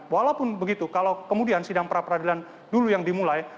walaupun begitu kalau kemudian sidang pra peradilan dulu yang dimulai